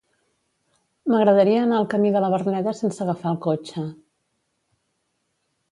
M'agradaria anar al camí de la Verneda sense agafar el cotxe.